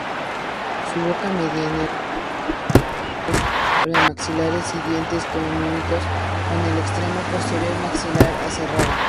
Su boca mediana, premaxilares y dientes cónicos, con el extremo posterior maxilar aserrado.